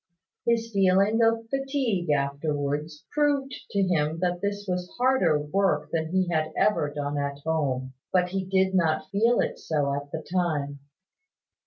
His feeling of fatigue afterwards proved to him that this was harder work than he had ever done at home; but he did not feel it so at the time.